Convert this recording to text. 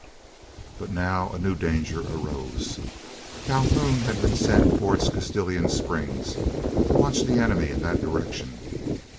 But now a new danger arose. Calhoun had been sent toward Castalian Springs to watch the enemy in that direction.